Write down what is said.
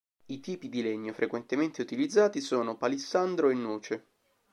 I tipi di legno frequentemente utilizzati sono palissandro e noce.